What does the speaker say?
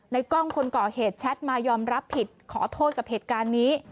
กล้องคนก่อเหตุแชทมายอมรับผิดขอโทษกับเหตุการณ์นี้